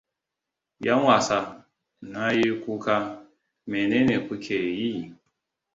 'Yan wasa! Na yi kuka, me ne kuke yi?